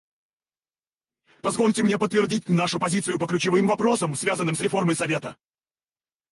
Позвольте мне подтвердить нашу позицию по ключевым вопросам, связанным с реформой Совета.